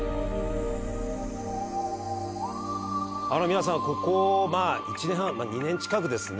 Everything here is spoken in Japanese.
皆さんここ１年半２年近くですね